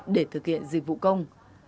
để thực hiện dịch vụ công